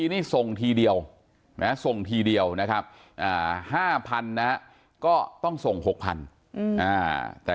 นี่ส่งทีเดียวส่งทีเดียวนะครับ๕๐๐๐นะก็ต้องส่ง๖๐๐๐แต่